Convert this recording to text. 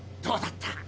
どうだった？